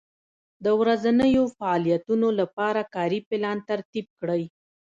د ورځنیو فعالیتونو لپاره کاري پلان ترتیب کړئ.